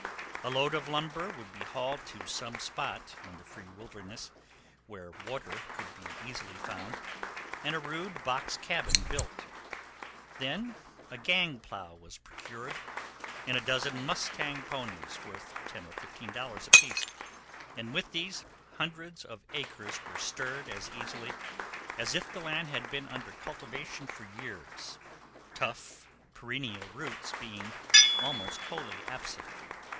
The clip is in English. A load of lumber would be hauled to some spot on the free wilderness, where water could be easily found, and a rude box cabin built. Then a gang plow was procured, and a dozen mustang ponies, worth ten or fifteen dollars apiece, and with these hundreds of acres were stirred as easily as if the land had been under cultivation for years, tough, perennial roots being almost wholly absent.